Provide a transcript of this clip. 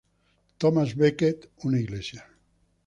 Thomas Becket, una Iglesia.